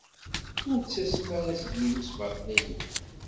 Ur ttasem ara seg yimesbaṭliyen.